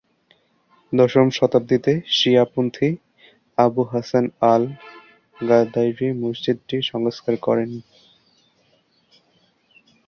দশম শতাব্দীতে শিয়া পন্থী আবু হাসান আল-গাদাইরি মসজিদটি সংস্কার করেন।